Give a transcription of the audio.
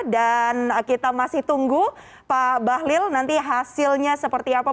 dan kita masih tunggu pak bahlil nanti hasilnya seperti apa